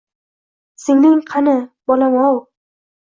— Singling qani, bolam-ov?